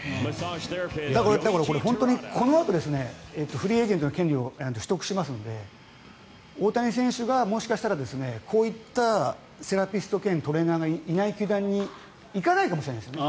これ、このあとフリーエージェントの権利を取得しますので大谷選手がもしかしたらこういったセラピスト兼トレーナーがいない球団に行かないかもしれないです。